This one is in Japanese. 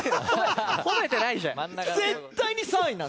ほめてないじゃん！